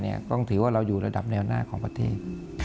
ต้องถือว่าเราอยู่ระดับแนวหน้าของประเทศ